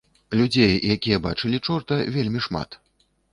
Людзей, якія бачылі чорта, вельмі шмат.